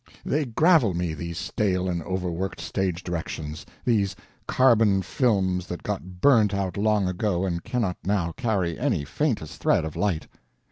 They gravel me, these stale and overworked stage directions, these carbon films that got burnt out long ago and cannot now carry any faintest thread of light.